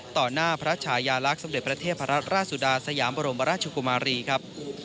หน้าพระชายาลักษณ์สมเด็จประเทศพระราชสุดาสยามบรมราชกุมารีครับ